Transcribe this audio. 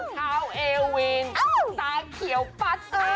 เท้าเอวินเอ้าตาเขียวปัดเต้